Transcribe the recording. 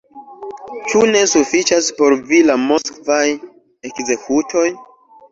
Ĉu ne sufiĉas por vi la moskvaj ekzekutoj?